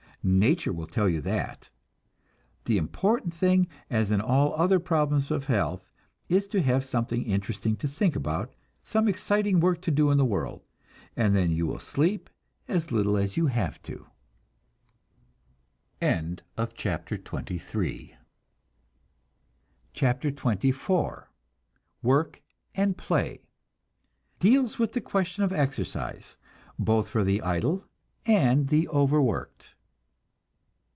Nature will tell you that. The important thing, as in all other problems of health, is to have something interesting to think about, some exciting work to do in the world, and then you will sleep as little as you have too. CHAPTER XXIV WORK AND PLAY (Deals with the question of exercise, both for the idle and the overworked.)